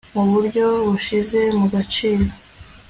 mu buryo bushyize mu gaciro